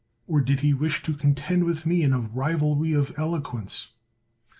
Or did he wish to contend with me in a rivalry of elo quence?